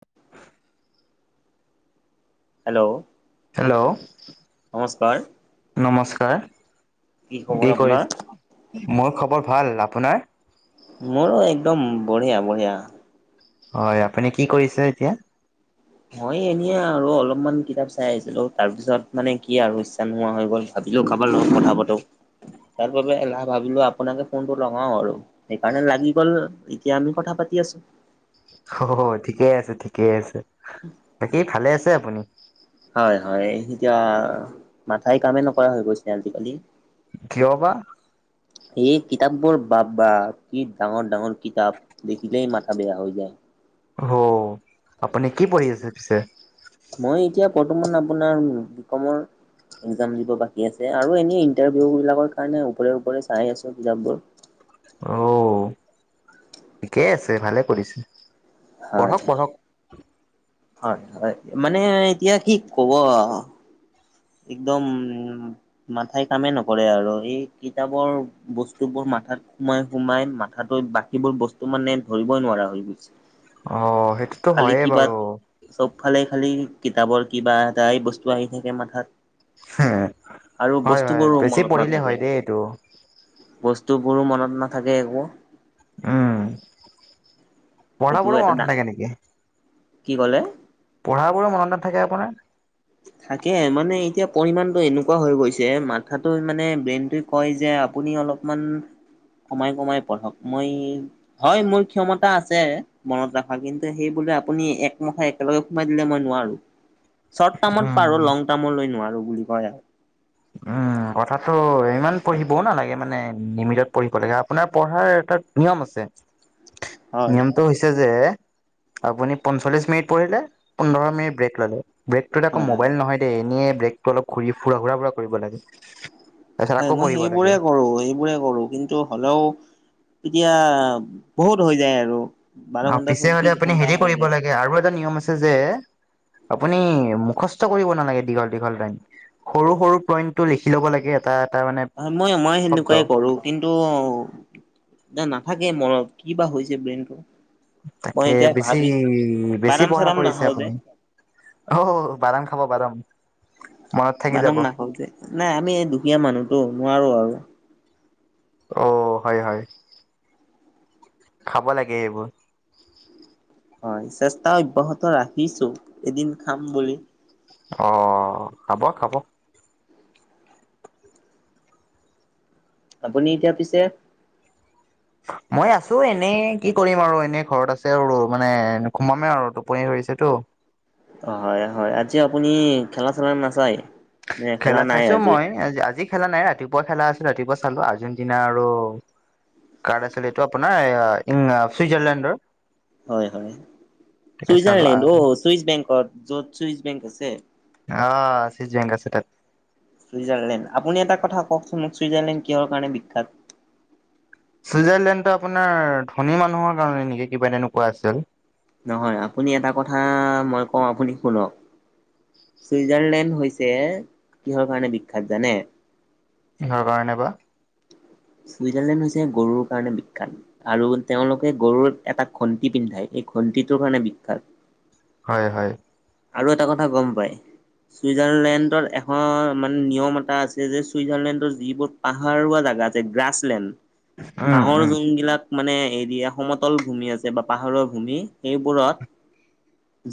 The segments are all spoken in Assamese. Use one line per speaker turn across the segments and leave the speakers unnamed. [unintelligible]
হেল্ল,
হেল্ল,
নমস্কাৰ।
নমস্কাৰ,
খবৰ
কি
আপোনাৰ?
কৰিছ, মোৰ খবৰ ভাল আপোনাৰ?
মোৰো একদম বঢ়িয়া, বঢ়িয়া।
হয়, আপুনি কি কৰিছে এতিয়া?
মই এনে আৰু অলপমান কিতাপ চাই আহিছিলোঁ, তাৰ পিছত, মানে কি আৰু ইচ্ছা নোহোৱা হৈ গ'ল। ভাবিলো কাবাৰ লগত কথা পাতো, তাৰ বাবে এলাহ ভাবিলোঁ আপোনাকে ফোনটো লগাও আৰু। সেইকাৰণে লাগি গ'ল, এতিয়া আমি কথা পাতি আছোঁ।
অ, ঠিকে আছে, ঠিকেই আছে, বাকী ভালে আছে আপুনি?
হয়, হয়, এতিয়া মাথাই কামেই নকৰা হৈ গৈছে, আজিকালি।
কিয়, বা?
এই কিতাপবোৰ বাপ, বাপ, কি ডাঙৰ ডাঙৰ কিতাপ। দেখিলেই মাথা, বেয়া হৈ যায়।
অ, আপুনি কি পঢ়ি আছে পিছে?
মই, এতিয়া বৰ্তমান আপোনাৰ, বিকমৰ একজাম দিব বাকী আছে, আৰু এনেই ইণ্টাৰভিউ বিলাকৰ কাৰণে ওপৰে, ওপৰে চাই আছো, কিতাপবোৰ।
অ, ঠিকেই আছে ভালে কৰিছে,
হয়।
পঢ়ক, পঢ়ক।
হয়, হয়, মানে এতিয়া কি কব একদম মাথাই কামেই নকৰে আৰু এই কিতাপৰ বস্তুবোৰ মাথাত সোমাই, সোমাই, মাথাটো সেইবোৰ বস্তু মানে ধৰিবই, নোৱাৰা হৈ গৈছে।
অ, সেইটোতো
খালি
হয়ে
কিবা
বাৰু।
চবফালে খালি কিতাপৰ কিবা এটাই বস্তুই আহি থাকে মাথাত।
হে,
আৰু
হয়, হয়,
বস্তুবোৰো
বেছি
মনত
পঢ়িলে
নাথাকে
হয় দেই এইটো।
বস্তুবোৰো মনত নাথাকে একো
উম
এইটো
পঢ়াবোৰো
এটা
মনত
দাক
নাথাকে নেকি
কি ক'লে
পঢ়াবোৰো মনত নাথাকে আপোনাৰ
থাকে মানে এতিয়া পৰিমাণটো এনেকুৱা হৈ গৈছে মাথাটো মানে ব্ৰেনটো কয় যে আপুনি অলপমান কমাই কমাই পঢ়ক মই হয় মোৰ ক্ষমতা আছে মনত ৰাখা কিন্তু সেই বোলে আপুনি একমখা একেলগে সোমাই দিলে মই নোৱাৰো। টামান পাৰো
উম
লং টাৰ্মলৈ নোৱাৰো বুলি কয় আৰ
উম। কথাটো হয় ইমান পঢ়িবও নালাগে মানে লিমিতত পঢ়িব লাগে আপোনাৰ পঢ়াৰ এটা নিয়ম আছে।
[unintelligible] হয়
নিয়ম টো হৈছে যে আপুনি পঞ্চল্লিশ মিনিট পঢ়িলে পোন্ধৰ মিনিট ব্ৰেক ললে। ব্ৰেকটোত আকৌ
হয় হয়
মোবাইল নহয় দেই এনেই ব্ৰেকটো অলপ ঘূৰি ঘুৰা ফুৰা কৰিব লাগে। তাৰপিছত
হয়
আকৌ
মই
পঢ়িব লাগে
সেইবোৰে কৰো সেইবোৰে কৰো কিন্ টো হ'লৌও এতিয়া বহুত হৈ যায় আৰু। বাৰ
অ
ঘন্টা
পিছে হলে
চৌবিশ
আপুনি
ঘন্টা
হেৰি
হৈ
কৰিব
যায়
লাগে আৰু এটা নিয়ম আছে যে। আপুনি মুখস্থ কৰিব নালাগে দীঘল দীঘল লাইন সৰু সৰু পইণ্টটো লিখি ল'ব লাগে এটা এটা মানে
হয় মই মই
শব্দ
সেনেকুৱাই কৰো। কিন্তু না নাথাকে মনত কি বা হৈছে ব্ৰেইনটো। মই
তাকে
এতিয়া
বেছি
ভাবিছ
বেছি
বাদাম
পঢ়া
চাদাম
কৰিছে
নাখাওঁ যে
আপুনি। অ হৌ বাদাম খাব বাদাম। মনত থাকি যাব
বাদাম নাখাওঁ দিয়া নাই আমি এই দুখীয়া মানুহটো নোৱাৰো আৰু।
অ হয় হয় খাব লাগে এইবোৰ।
হয় চেষ্টা অব্যাহত ৰাখিছো এদিন খাম বুলি।
অ খাব খাব।
আপুনি এতিয়া পিছে।
মই আছো এনেই কি কৰিম আৰু এনেই ঘৰত আছো আৰু মানে সোমামে আৰু টোপনি ধৰিছে তো।
অ হয় হয় আজি আপুনি খেলা চেলা নাচায়।
খেলা চাইছো মই আজি আজি খেলা নাই ৰাতিপুৱা খেলা আছিলো ৰাতিপুৱা চালো আৰ্জেণ্টিনা আৰু কাৰ আছিল এইটো আপোনাৰ আ ইন্না চুইজাৰলেণ্ডৰ।
হয় হয়
তাকে চালো
চুইজাৰলেণ্ড অ চুইচ বেংকত য'ত চুইচ বেংক আছে।
অ চুইজ বেংক আছে তাত।
চুইজাৰলেণ্ড আপুনি এটা কথা কওকচোন মোক চুইজাৰলেণ্ড কিহৰ কাৰণে বিখ্যাত।
চুইজাৰলেণ্ডটো আপোনাৰ ধনী মানুহৰ কাৰণে নিকি কিবা তেনেকুৱা আছিল।
নহয় আপুনি এটা কথা মই কওঁ আপুনি শুনক। ছুইজাৰলেণ্ড হৈছে কিহৰ কাৰণে বিখ্যাত জানে।
কিহৰ কাৰণে বা।
ছুইজাৰলেণ্ড হৈছে গৰুৰ কাৰণে বিখ্যাত। আৰু তেওঁলোকে গৰুক এটা ঘন্তি পিন্ধায়, এই ঘন্তিটোৰ কাৰণে বিখ্যাত।
হয় হয়।
আৰু এটা কথা গম পাই? ছুইজাৰলেণ্ডৰ এখন মানে নিয়ম এটা আছে যে, ছুইজাৰলেণ্ডৰ যিবোৰ পাহাৰুৱা জাগা যে গ্ৰাছলেণ্ড,
উম
ঘাঁহৰ
উম
যোনবিলাক মানে এৰিয়া সমতল ভূমি আছে, বা পাহাৰৰ ভূমি সেইবোৰত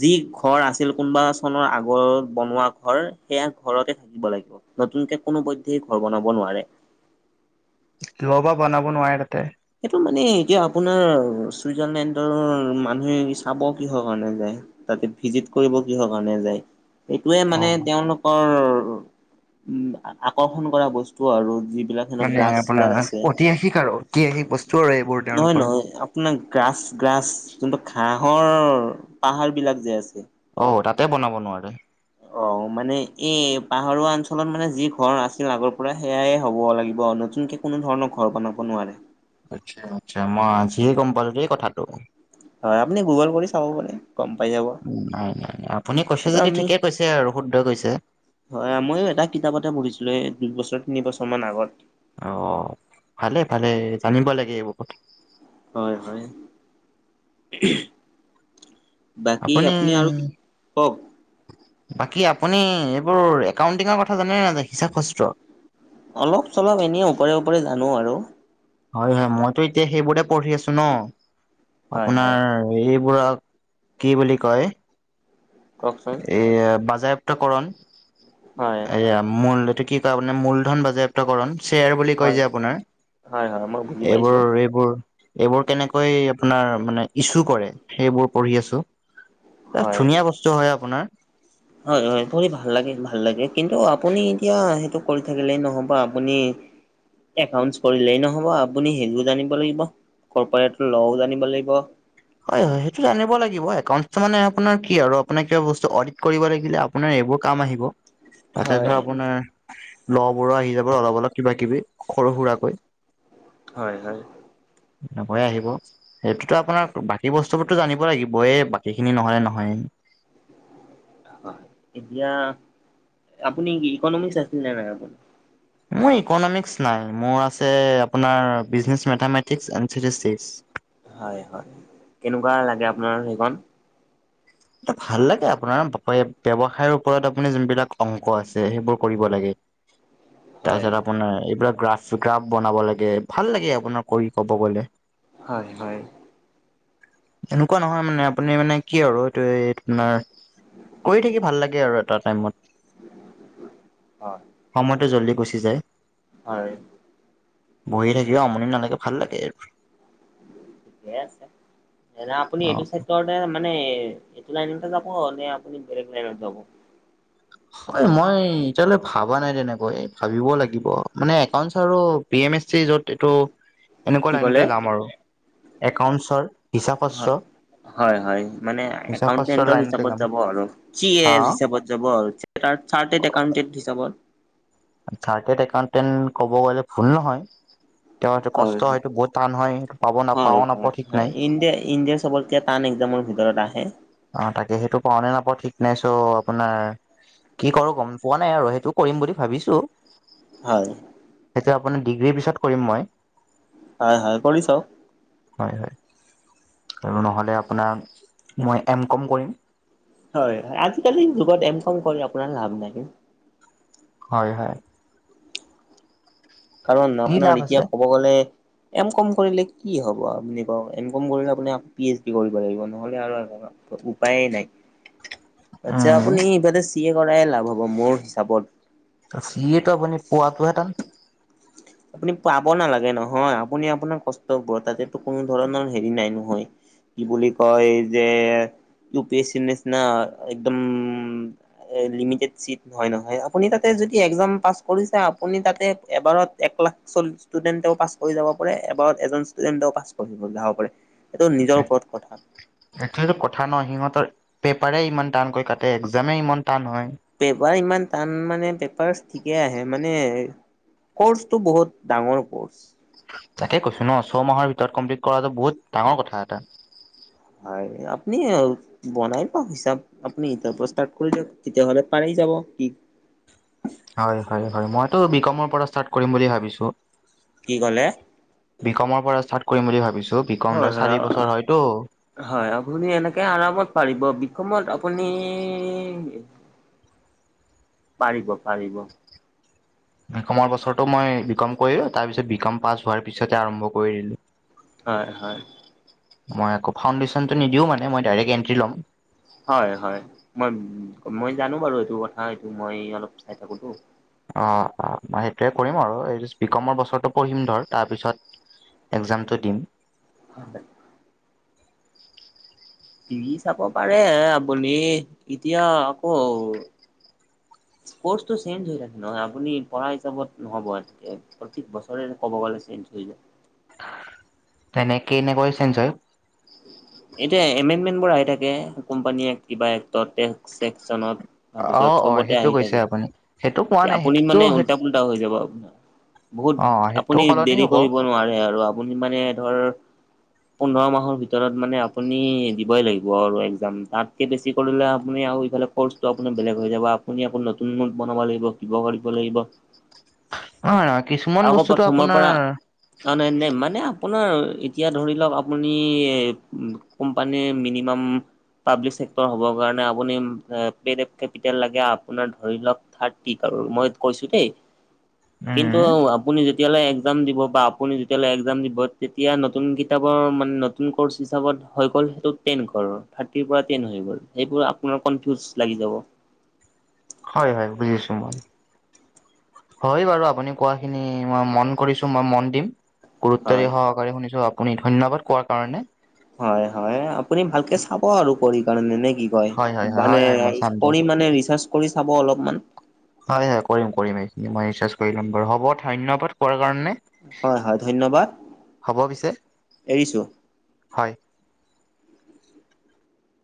যি ঘৰ আছ আছিল, কোনোবা চনৰ আগত বনোৱা ঘৰ, সেইয়া ঘৰতে থাকিব লাগিব। নতুনকে কোনো পধ্যয় ঘৰ বনাব নোৱাৰে।
কিব বা বনাব নোৱাৰে তাতে।
এইটো মানে, এতিয়া আপোনাৰ চুইজাৰলেণ্ডৰ মানুহে, চাব কিহৰ কাৰণে যায়। তাতে ভিজিট কৰিব কিহৰ কাৰণে যায়, এইটোয়ে মানে
অ'
তেওঁলোক ৰ, আকৰ্ষণ কৰা বস্তু আৰু, যিবিলাক ানক
মানে আপোনাৰ
গ্ৰাছলাৰ আছে।
[unintelligible] এইবোৰ
নহয়
তেওঁলোকৰ।
নহয়, আপ নাৰ গ্ৰাছ গ্ৰাছ, যোনটো ঘাঁহৰ পাহাৰ বিলাক যে আছে।
অ', তাতে বনাব নোৱাৰে।
অ', মানে এই পাহাৰুৱা অঞ্চলত মানে যি ঘৰ আছিল আগৰ পৰা, সেয়াই হ'ব লাগিব, নতুনকে কোনো ধৰণৰ ঘৰ বনাব নোৱাৰে।
আচ্ছা আচ্ছা, মই আজিহে গম পালো দেই কথাটো।
হয়, আপুনি গুগল কৰি চাব পাৰে। গম পাই যাব।
নাই নাই নাই, আপুনি কৈছে
এইটো
যদি
আমি
ঠিকেই কৈছে আৰু, শুদ্ধই কৈছে।
হয়, ময়ো এটা কিতাপতে পঢ়িছিলো, এই দুইবছৰ তিনি বছৰ মানৰ আগত।
অ', ভালে ভালে, জানিব লাগে এইবোৰ কথা।
হয় হয়, বাকি আপুনি আৰু কি কওঁক।
বাকী আপুনি এইবোৰ একাউন্টিঙৰ কথা জানে নে নাজানে, হিচাপ চত্ৰ।
অলপ চলপ এনেই ওপৰে ওপৰে জানোঁ আৰু।
হয় হয়, মইতো এতিয়া সেইবোৰেই পঢ়ি আছো ন,
হয়
আপোনাৰ
হয়
এইবোৰ কি বুলি কয়
কওকচোন।
এই বাজায়াপ্তকৰণ।
হয়।
এয়া মূল, এইটো কি কয় মানে মূলধন বাজেয়াপ্তকৰণ। শ্বেয়াৰ বুলি কয়
হয়
যে আপোনাৰ,
হয় হয় মই বুজি
এইবোৰ
পাইছো
এইবোৰ এইবোৰ কেনেকৈ আপোনাৰ মানে ইছু কৰে, সেইবোৰ পঢ়ি আছো। এ
হয়।
ধুনীয়া বস্তু হয় আপোনাৰ।
হয় হয়, পঢ়ি ভাল লাগে, ভাল লাগে, কিন্তু আপুনি এতিয়া সেইটো কৰি থাকিলেই নহ'ব, আপুনি একাউণ্টছ কৰিলেই নহ'ব, আপুনি সেইবোৰ জানিব লাগিব। কৰ্পৰেটৰ ল'ও জানিব লাগিব।
হয় হয়, সেইটো জানিব লাগিব, একাউণ্টছ মানে আপোনাৰ কি আৰু, আপোনাৰ কিবা বস্তু অদিত কৰিব লাগিলে আপোনাৰ এইবোৰ কাম আহিব, তাতে
হয়।
ধৰ আপোনাৰ ল'বোৰো আহি যাব অলপ অলপ, কিবা কিবি, সৰু সুৰাকৈ।
হয় হয়।
এনেকৈয়েই আহিব, সেইটোতো আপোনাৰ বাকী বস্তু বোৰতো জানিব লাগিব, এই বাকী খিনি নহ'লে নহয়েই।
অ', হয়, এতিয়া, আপুনি কি ইকনমিক্স আছিল নে নাই আপোনাৰ?
মোৰ ইকনমিক্স নাই, মোৰ আছে আপোনাৰ বিজনেচ মেথামেটিক এণ্ড ষ্টেথিতটিকচ।
হয় হয়, কেনেকুৱা লাগে আপোনাৰ সেইখন?
এইটো ভাল লাগে আপোনাৰ [unintelligible] ব্যৱসায়ৰ ওপৰত আপুনি যোনবিলাক অংক আছে সেইবোৰ কৰিব লাগে।
[unintelligible]
তাৰপিছত আপোনাৰ এইবিলাক গ্ৰাফচ-গ্ৰাফ বনাব লাগে, ভাল লাগে আপোনাৰ কৰি কব গলে।
হয়-হয়।
এনেকুৱা নহয় মানে আপুনি মানে কি আৰু তো এই তোমাৰ, কৰি থাকি ভাল লাগে আৰু এটা টাইমত।
হয়।
সময়টো জল্দি গুচি যায়।
হয়।
বহি থাকিও আমনি নালাগে ভাল লাগে।
ঠিকেই আছে, এনে আপুনি
অ
এইটো চাইদ ভিতৰতে মানে এইটো লাইনতে যাব নে আপুনি বেলেগ লাইনত যাব।
হয়, মই এতিয়ালৈ ভাবা নাই তেনেকৈ, ভাবিব লাগিব, মানে একাউন্টছ আৰু পি এম এছ চি য'ত এইটো
[inaudible]
এনেকুৱা
ক'লে
লাইনতে যাম আৰু, একাউন্টছৰ। হিচাপস্ত্ৰ
হয়, হয় হয়, মানে
হিচাপস্ত্ৰৰ
একাউণ্টেণ্টৰ
লাইনতে
হিচাপত
যাম
যাব আৰু, চি
হা
এৰ হিচাপত যাব আৰু চাৰ্টেড একাউণ্টেণ্ট হিচাপত।
চাৰ্টেড একাউণ্টেন্ট ক'ব গ'লে ভুল নহয়। তেওঁটো
হয়
কষ্ট
হয়
হয়তো বহুত টান হয়, পাব-নাপাও পাও নাপাও ঠিক নাই।
ইণ্ডিয়া-ইণ্ডিয়াছ চবতকে টান একজামৰ ভিতৰত আহে।
অ', তাকে সেইটো পাওঁ নে নাপাওঁ ঠিক নাই চ' আপোনাৰ কি কৰো গম পোৱা নাই আৰু সেইটো কৰিম বুলি ভাবিছো।
হয়।
এতিয়া আপুনি ডিগ্ৰীৰ পিছত কৰিম মই।
হয়-হয়, কৰি চাওক।
হয়-হয়, আৰু নহ'লে আপোনাৰ, মই এম কম কৰিম।
হয়, আজিকালি যুগত এম কম কৰি আপোনাৰ লাভ নাই।
হয়-হয়।
কাৰণ
কি
আপোনাৰ
লাভ
এতিয়া
আছে
ক'ব গ'লে এম কম কৰিলে কি হ'ব আপুনি কওক, এম কম কৰিলে আপুনি আকৌ পি এইচ ডি কৰিব লাগিব নহলে আৰু [unintelligible] উপায়ে নাই। আচ্ছা
উম
আপুনি ইফালে চি এ কৰাই লাভ হব মোৰ হিচাপত।
চি এ তো আপুনি পোৱাটোহে টান
আপুনি পাব নালাগে নহয়, আপুনি আপোনাৰ কষ্ট বোৰতাতে কোনো ধৰণৰ হেৰি নাই নহয়। কি বুলি কয় যে, ইউ পি এচ ই নিচিনা একদম এ, লিমিটেড চিট হয় নহয়, আপুনি তাতে যদি একজাম পাছ কৰিছে আপুনি তাতে এবাৰত এক লাখ চল্লিশ ষ্টুডেণ্টেও পাছ কৰি যাব পাৰে, এবাৰত এজন ষ্টুডেণ্টেও পাছ কৰি যাব পাৰে। এইটো নিজৰ ওপৰত কথা।
সেইটোৱেতো কথা ন সিহঁতৰ পেপাৰে ইমান টানকৈ কাটে একজামেই ইমান টান হয়।
পেপাৰ ইমান টান মানে পেপাৰ ঠিকে আহে মানে কৰ্চটো বহুত ডাঙৰ কৰ্চ।
তাকে কৈছো ন ছয়মাহৰ ভিতৰত কমপ্লিট কৰাটো বহুত ডাঙৰ কথা এটা।
হয়, আপুনি বনাই পাহ হিচাপ আপুনি এতিয়াৰ পৰা ষ্টাৰ্ট কৰি দিয়ক তেতিয়া হলে পাৰেই যাব, কি
হয় হয় হয়, মইতো বি কমৰ পৰা ষ্টাৰ্ট কৰিম বুলি ভাবিছো।
কি ক'লে?
বি কমৰ পৰা ষ্টাৰ্ট কৰিম বুলি ভাবিছো। বি কম
হয়
ধৰ চাৰি বছৰ
[unintelligible]
হয়তো।
হয়, আপুনি এনেকে আৰামত পাৰিব। বি কমত আপুনি পাৰিব পাৰিব।
[unintelligible] কমৰ বছৰতো মই বি কম কৰিলো, তাৰ পিছত বি কম পাছ হোৱাৰ পিছতে আৰম্ভ কৰি দিলো।
হয় হয়।
মই আকৌ ফাউণ্ডডেচনটো নিদিওঁ মানে, মই ডাইৰেক্ট এন্ট্ৰি ল'ম।
হয় হয়। মই, মই জানো বাৰু এইটো কথা, এইটো মই অলপ চাই থাকো তো।
অঁ অঁ, সেইটোৱে কৰিম আৰু এই বি কমৰ বছৰটো পঢ়িম ধৰ তাৰপিছত এক্সামটো দিম।
[inaudible] দি চাব পাৰে আপুনি, এতিয়া আকৌ স্পৰ্টছটো চেঞ্জ হৈ থাকে নহয় আপুনি পঢ়া হিচাপত নহব এনকে। প্ৰত্যেক বছৰে ক'ব গ'লে চেঞ্জ হৈ যায়।
তেনেকে এনেকৈ চেঞ্জ হয়।
এতিয়া এমেণ্ডমেণ্টবোৰ আহি থাকে, কোম্পানীয়ে কিবা এক্টতত এহ চেকচনত।
অ
তাৰপিছত
অ
চবতে
সেইটো
আহি
কৈছে
থাকে।
আপুনি সেইটো কোৱা নাই
আপুনি
সেইটোতো
মানে উল্টা ফুল্টা হৈ যাব আপোনাৰ। বহুত
অ সেইটো
আপুনি
সলনি
দেৰি
হ'ব
কৰিব নোৱাৰে আৰু আপুনি মানে ধৰ, পোন্ধৰ মাহৰ ভিতৰত। মানে আপুনি দিবই লাগিব আৰু এক্সাম। তাতকে বেছি কৰিলে আপুনি আৰু ইফালে কৰ্চটো আপোনাৰ বেলেগ হৈ যাব। আপুনি আকৌ নতুন নোট বনাব লাগিব, কিবা কৰি লাগিব।
অঁ কিছুমান বস্তুটো আপোনাৰ
অনন্য মানে আপোনাৰ এতিয়া ধৰি লওক আপুনি কোম্পানীৰে মিনিমাম পাব্লিক চেক্টৰ হ'বৰ কাৰণে আপুনি পেড এড কেপিটেল লাগে, আপোনাৰ ধৰি লওক থাৰ্ট টিক আৰু মই কৈছো দেই কিন্তু
উম
আ পুনি যেতিয়ালৈ এক্সাম দিব বা আপুনি যেতিয়ালৈ এক্সাম দিব, তেতিয়া নতুন কিতাপৰ মানে নতুন কৰ্চ হিচাপত হৈ গ'ল সেইটো টেন কৰৰ, থাৰ্টিৰ পৰা টেন হৈ গ'ল সেইবোৰ আপোনাৰ কনফিউজ লাগি যাব।
হয় হয়, বুজিছো মই। হয় বাৰু আপুনি কোৱাখিনি মই মন কৰিছো, মই মন দিম। গুৰুত্বৰে
হয়
সহকাৰে শুনিছো, আপুনি ধন্যবাদ কোৱাৰ কাৰণে।
হয় হয়। আপুনি ভালকে চাব আৰু কৰি কাৰণে নে কি? হয়,
হয়
মানে
হয় হয় মই চাম দিয়ক
কৰি মানে ৰিচাৰ্চ কৰি চাব অলপমান।
হয় হয় কৰিম কৰিমে। মই ৰিচাৰ্চ কৰি ল'ম বাৰু হ'ব, ধন্যবাদ কোৱাৰ কাৰণে।
হয় হয়। ধন্যবাদ
হ'ব পিছে
এৰিছো।
হয়।